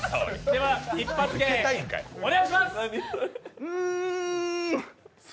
では一発芸、お願いします。